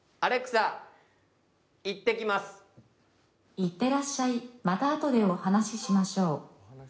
いってらっしゃい、またあとでお話ししましょう。